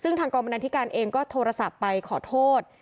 ซึ่งทางกรรมนาธิการเองก็โทรศัพท์ไปขอโทษ